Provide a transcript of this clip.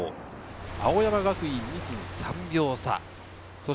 青山学院、２分３秒差。